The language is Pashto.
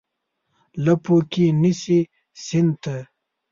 لپو کې نیسي سیند ته،